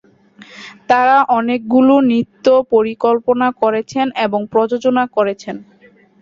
তাঁরা অনেকগুলি নৃত্য পরিকল্পনা করেছেন এবং প্রযোজনা করেছেন।